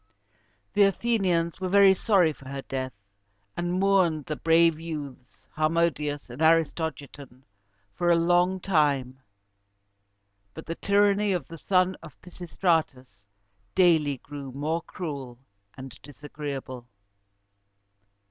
The Athenians were very sorry for her death, and mourned the brave youths Harmodius and Aristogiton for a long time; but the tyranny of the son of Pisistratus daily grew more cruel and disagreeable.